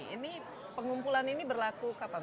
ini pengumpulan ini berlaku kapan